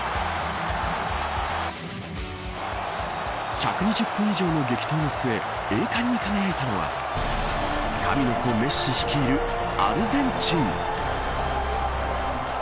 １２０分以上の激闘の末栄冠に輝いたのは神の子メッシ率いるアルゼンチン。